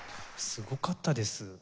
すごかったです。